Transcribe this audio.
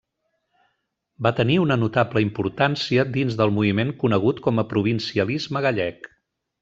Va tenir una notable importància dins del moviment conegut com a provincialisme gallec.